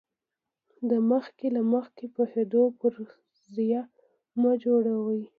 د مخکې له مخکې پوهېدو فرضیه مه جوړوئ.